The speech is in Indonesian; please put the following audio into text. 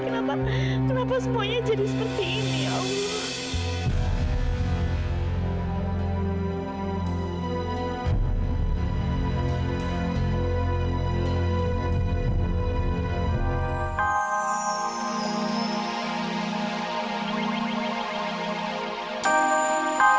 kenapa kenapa semuanya jadi seperti ini ya allah